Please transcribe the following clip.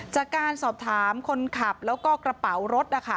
จากการสอบถามคนขับแล้วก็กระเป๋ารถนะคะ